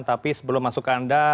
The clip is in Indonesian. tapi sebelum masuk ke anda